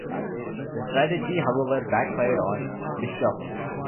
The strategy, however, backfired on Bischoff.